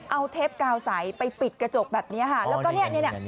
เอาเทปกาวใสไปปิดกระจกแบบเนี้ยฮะแล้วก็เนี้ยเนี้ยเนี้ย